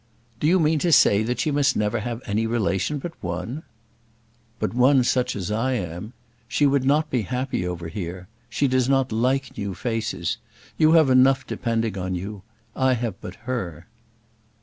"Do you mean to say that she must never have any relation but one?" "But one such as I am. She would not be happy over here. She does not like new faces. You have enough depending on you; I have but her."